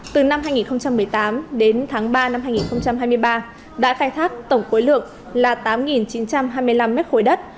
từ năm hai nghìn một mươi tám đến tháng ba năm hai nghìn hai mươi ba đã khai thác tổng khối lượng là tám chín trăm hai mươi năm m ba đất